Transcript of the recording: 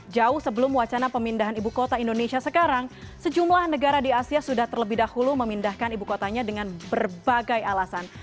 jauh sebelum wacana pemindahan ibu kota indonesia sekarang sejumlah negara di asia sudah terlebih dahulu memindahkan ibu kotanya dengan berbagai alasan